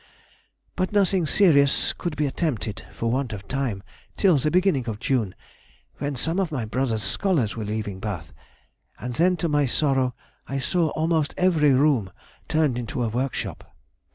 "But nothing serious could be attempted, for want of time, till the beginning of June, when some of my brother's scholars were leaving Bath; and then to my sorrow I saw almost every room turned into a workshop.